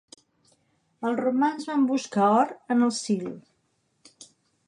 Els romans van buscar or en el Sil.